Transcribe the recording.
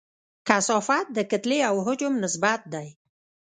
کثافت د کتلې او حجم نسبت دی.